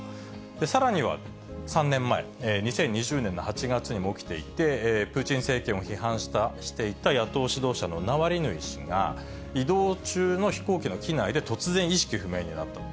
さらには、３年前、２０２０年の８月にも起きていて、プーチン政権を批判していた野党指導者のナワリヌイ氏が移動中の飛行機の機内で突然、意識不明になったと。